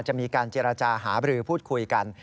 จะมีการเจรจาห้าบลิผู้ท่านคุยกัน